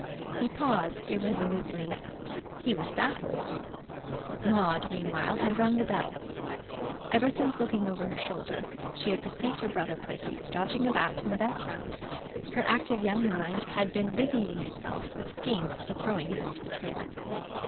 He paused irresolutely. He was baffled. Maud, meanwhile, had rung the bell. Ever since, looking over her shoulder, she had perceived her brother Percy dodging about in the background, her active young mind had been busying itself with schemes for throwing him off the trail.